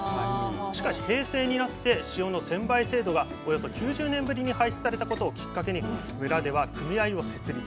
しかし平成になって塩の専売制度がおよそ９０年ぶりに廃止されたことをきっかけに村では組合を設立。